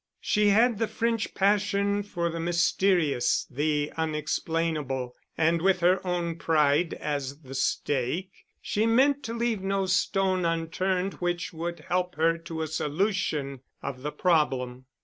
She had the French passion for the mysterious, the unexplainable, and with her own pride as the stake, she meant to leave no stone unturned which would help her to a solution of the problem.